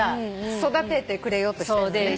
育ててくれようとしてるのね。